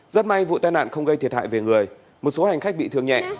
rất may vụ tai nạn không gây thiệt hại về người một số hành khách bị thương nhẹ